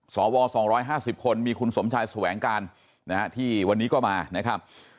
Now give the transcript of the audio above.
สว๒๕๐คนมีคุณสมชายแสวงการนะฮะที่วันนี้ก็มานะครับ